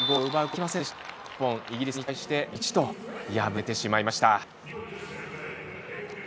日本、イギリスに対して０対１と敗れてしまいました。